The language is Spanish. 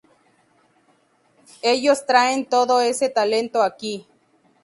Ellos traen todo ese talento aquí.